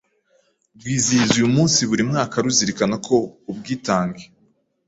rwizihiza uyu munsi buri mwaka ruzirikana ko ubwitang